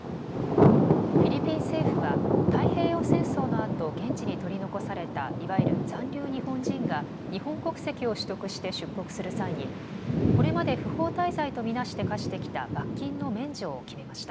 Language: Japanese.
フィリピン政府は太平洋戦争のあと現地に取り残されたいわゆる残留日本人が日本国籍を取得して出国する際にこれまで不法滞在と見なして科してきた罰金の免除を決めました。